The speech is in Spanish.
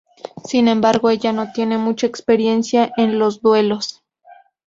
Sin embargo, ella no tiene mucha experiencia en los Duelos.